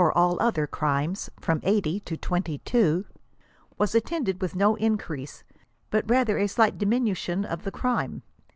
88 other crimes, from 80 to 22,) was attended with no increase, bat rather a slight diminution of the crime.